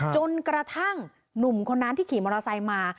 จนกระทั่งหนุ่มคนนั้นที่ขี่มอเตอร์ไซค์มา